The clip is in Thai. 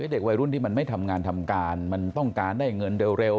เด็กวัยรุ่นที่มันไม่ทำงานทำการมันต้องการได้เงินเร็ว